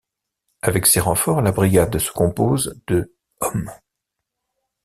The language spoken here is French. Avec ses renforts, la brigade se compose de hommes.